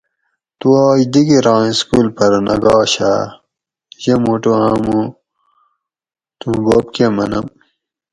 تو آج دِگیراں سکول پھر نہ گاشا؟ یہ موٹو آمو توں بوب کہ منم